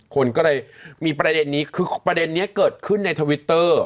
คนก็เลยมีประเด็นนี้คือประเด็นนี้เกิดขึ้นในทวิตเตอร์